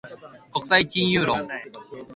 国際金融論